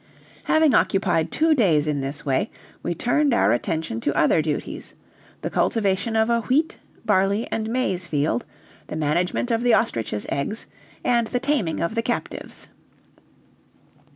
Having occupied two days in this way, we turned our attention to other duties: the cultivation of a wheat, barley, and maize field, the management of the ostrich's eggs, and the taming of the captives.